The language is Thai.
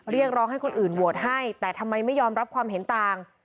เรียกร้องให้คนอื่นโหวตให้แต่ทำไมไม่ยอมรับความเห็นต่าง